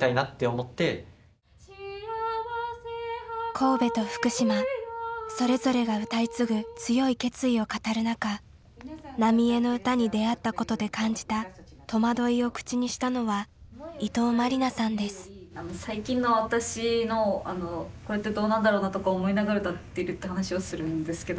神戸と福島それぞれが歌い継ぐ強い決意を語る中浪江の歌に出会ったことで感じた戸惑いを口にしたのは最近の私のこれってどうなんだろうなとか思いながら歌ってるって話をするんですけど。